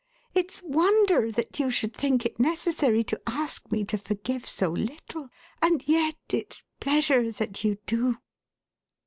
It's wonder that you should think it necessary to ask me to forgive so little, and yet it's pleasure that you do."